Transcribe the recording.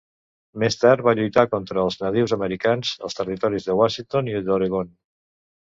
Més tard va lluitar contra els nadius americans als territoris de Washington i d'Oregon.